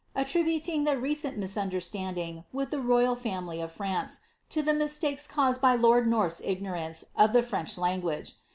aUribaling ihl cent misunders landing with llie royal family of France to ihe mi« caused by lord North's ignorance of the Franch language.